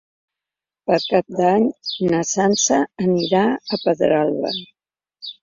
Per Cap d'Any na Sança anirà a Pedralba.